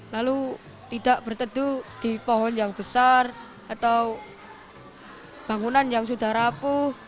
lalu tidak berteduh di pohon yang besar atau bangunan yang sudah rapuh